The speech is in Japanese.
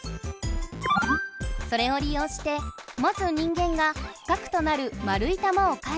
それをり用してまず人間が核となる丸い玉を貝に入れる。